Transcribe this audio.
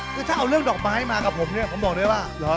คือถ้าเอาเรื่องดอกไม้มากับผมเนี่ยผมบอกได้ว่าเหรอ